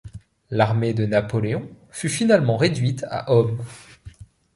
L'armée de Napoléon fut finalement réduite à hommes.